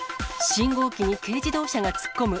信号機に軽自動車が突っ込む。